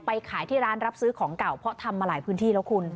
ขายที่ร้านรับซื้อของเก่าเพราะทำมาหลายพื้นที่แล้วคุณ